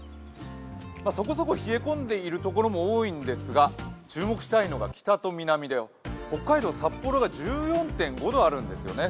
そこそこ冷え込んでいるところも多いんですが、注目したいのが北と南で北海道札幌が１４．５度あるんですね。